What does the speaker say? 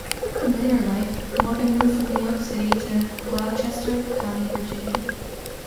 In later life, Morgan moved from New York City to Gloucester County, Virginia.